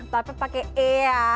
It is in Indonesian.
pak pe pakai e ya